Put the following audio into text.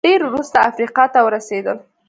ډېر وروسته افریقا ته ورسېدل